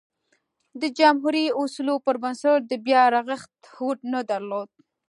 د جمهوري اصولو پربنسټ د بیا رغښت هوډ نه درلود.